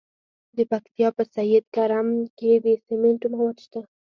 د پکتیا په سید کرم کې د سمنټو مواد شته.